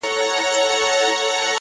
مثبت بدلون له دننه پیلېږي!